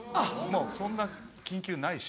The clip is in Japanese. もうそんな緊急ないし。